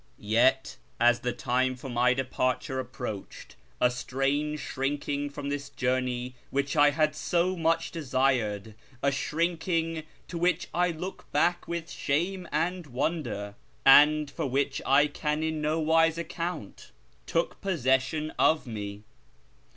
Yet, as the time for my departure approached, a strange shrinking from this journey which I had so much desired — a shrinking to which I look back with shame and wonder, and for which I can in no wise account — took possession of me.